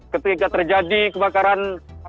ketika terjadi kebakaran